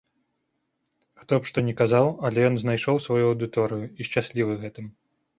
Хто б што ні казаў, але ён знайшоў сваю аўдыторыю і шчаслівы гэтым.